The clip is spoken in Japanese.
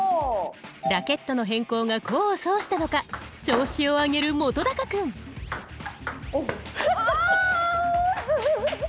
ラケットの変更が功を奏したのか調子を上げる本君ああ！